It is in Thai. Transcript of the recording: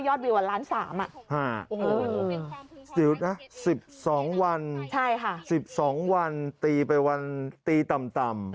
ยอดวิวล้านสามอ่ะค่ะสิบสองวันอ่ะสิบสองวันตีไปวันตีต่ำ